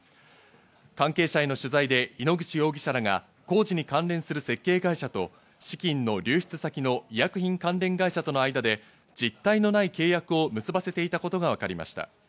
関係者への取材で井ノ口容疑者らが工事に関連する設計会社と資金の流出先の医薬品関連会社との間で実体のない契約を結ばせていたことがわかりました。